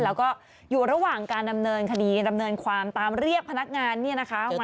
แล้วก็อยู่ระหว่างการดำเนินคดีดำเนินความตามเรียกพนักงานเนี่ยนะคะ